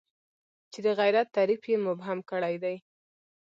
چې د غیرت تعریف یې مبهم کړی دی.